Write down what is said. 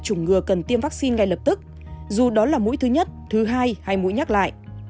chủng ngừa cần tiêm vaccine ngay lập tức dù đó là mũi thứ nhất thứ hai hay mũi nhắc lại